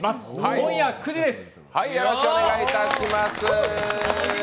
今夜９時です。